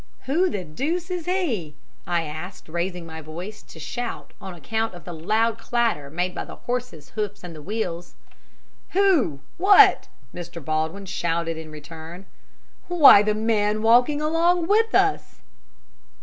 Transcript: "Who the deuce is he?" I asked, raising my voice to a shout on account of the loud clatter made by the horse's hoofs and the wheels. "Who? what?" Mr. Baldwin shouted in return. "Why, the man walking along with us!"